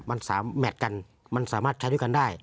มัน๓แมทกันมันสามารถใช้ด้วยกันได้